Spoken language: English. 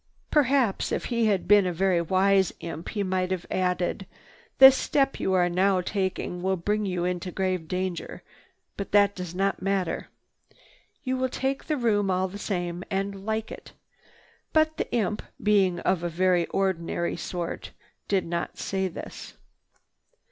Perhaps if he had been a very wise imp he might have added, "This step you are taking now will bring you into grave danger, but that does not matter. You will take the room all the same, and like it." But the imp, being of a very ordinary sort, did not say this.